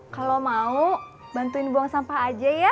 kalau mau bantuin buang sampah aja ya